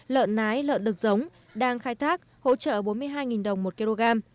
lợn nái lợn đực giống đang khai thác hỗ trợ bốn mươi hai đồng một kg